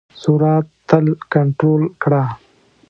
سرعت تل کنټرول کړه.